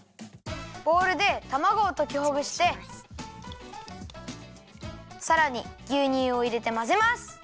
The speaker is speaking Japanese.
ボウルでたまごをときほぐしてさらにぎゅうにゅうをいれてまぜます。